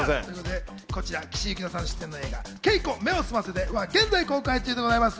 岸井ゆきのさん出演の映画『ケイコ目を澄ませて』は現在公開中でございます。